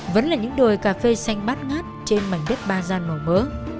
vẫn là những đồi cà phê xanh bát ngát trên mảnh đất ba gian màu mỡ